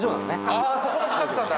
ああそこもかかってたんだ！